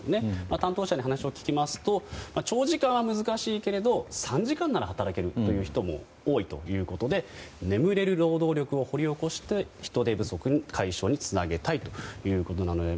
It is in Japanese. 担当者に話を聞きますと長時間は難しいけれども３時間なら働けるという人も多いということで眠れる労働力を掘り起こして人手不足解消につなげたいということです。